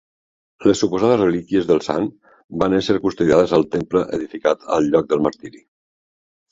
Les suposades relíquies del sant van ésser custodiades al temple edificat al lloc del martiri.